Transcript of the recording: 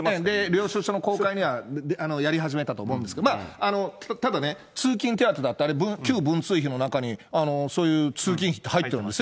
領収書の公開にはやり始めたと思うんですけど、ただね、通勤手当だって旧文通費の中にそういう通勤費って入ってるんですよ。